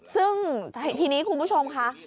ซึ่งทีนี้คุณผู้ชมค่ะ